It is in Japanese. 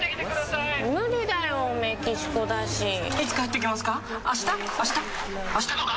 いつ帰ってきますか？